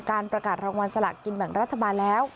การประกาศรางวัลสลากกินแบ่งรัฐบาลแล้ว